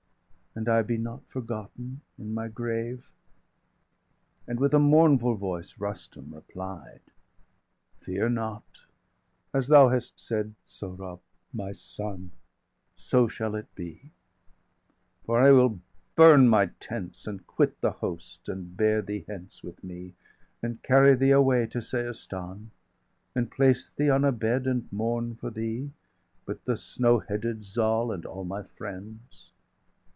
_ And I be not forgotten in my grave." And, with a mournful voice, Rustum replied: 795 "Fear not! as thou hast said, Sohrab, my son, So shall it be; for I will burn my tents, And quit the host, and bear thee hence with me, And carry thee away to Seistan, And place thee on a bed, and mourn for thee, 800 With the snow headed Zal, and all my friends.